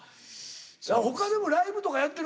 他にもライブとかやってる。